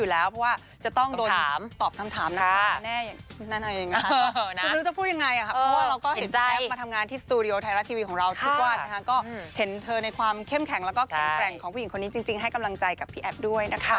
เพราะว่ามาออกงานเหมือนเนี้ยรู้อยู่แล้ว